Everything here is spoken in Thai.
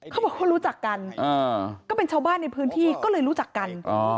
เขาบอกเขารู้จักกันก็เป็นชาวบ้านในพื้นที่ก็เลยรู้จักกัน